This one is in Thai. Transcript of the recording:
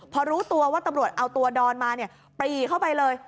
พอรู้ตัวว่าตำรวจเอาตัวดอนมาปรีเข้าไปเลย